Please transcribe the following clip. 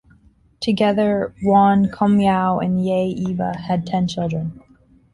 Together Won Cumyow and Ye Eva had ten children.